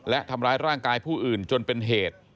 และทำร้ายร่างกายผู้อื่นจนเป็นเหตุ